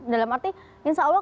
dalam arti insya allah